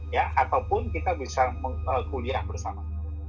ya ataupun kita bisa kuliah bersama